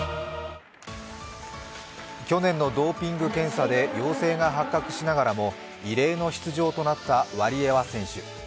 去年のドーピング検査で陽性が発覚しながらも異例の出場となったワリエワ選手。